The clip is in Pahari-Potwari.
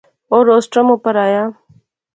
او روسٹرم اپر آیا